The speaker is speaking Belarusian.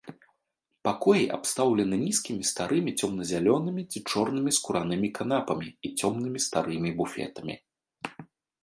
Пакоі абстаўлены нізкімі старымі цёмна-зялёнымі ці чорнымі скуранымі канапамі і цёмнымі старымі буфетамі.